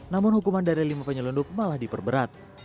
namun hukuman dari lima penyelundup malah diperberat